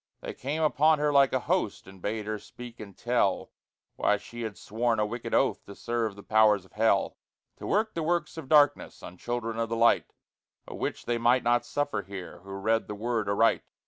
They came upon her like a host, And bade her speak and tell Why she had sworn a wicked oath To serve the powers of hell; To work the works of darkness On children of the light, A witch they might not suffer here Who read the Word aright.